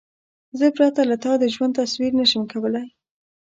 زه پرته له تا د ژوند تصور نشم کولای.